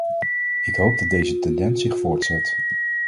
Ik hoop dat deze tendens zich voortzet.